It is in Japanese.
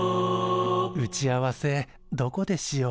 打ち合わせどこでしよう？